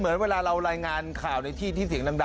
เหมือนเวลาเรารายงานข่าวในที่ที่เสียงดัง